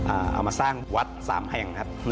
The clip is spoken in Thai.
เอามาสร้างวัดสามแห่งครับ